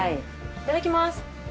いただきます。